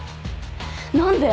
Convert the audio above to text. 何で？